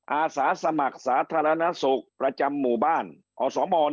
อาสาสมัครสาธารณสุขประจำหมู่บ้านอสม